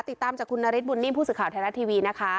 ติดตามคุณนริทบุณนิ่มผู้สื่อข่าวยรัททีวี